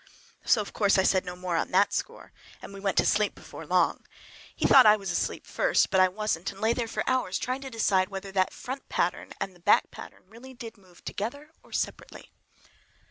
So of course I said no more on that score, and we went to sleep before long. He thought I was asleep first, but I wasn't,—I lay there for hours trying to decide whether that front pattern and the back pattern really did move together or separately.